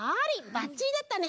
ばっちりだったね！